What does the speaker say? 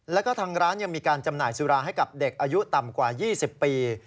แล้วก็ทางร้านยังมีการจำหน่ายสุราให้กับเด็กอายุต่ำกว่า๒๐ปี